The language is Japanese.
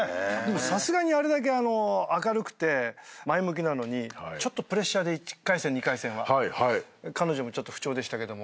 さすがにあれだけ明るくて前向きなのにちょっとプレッシャーで１回戦２回戦は彼女もちょっと不調でしたけども。